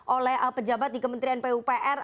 oleh pejabat di kementerian pupr